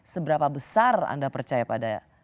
seberapa besar anda percaya pada